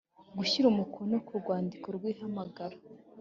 gushyira umukono ku rwandiko rw ihamagara